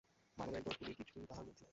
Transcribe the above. মানবের দোষগুলির কিছুই তাঁহার মধ্যে নাই।